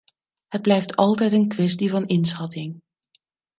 Het blijft altijd een kwestie van inschatting.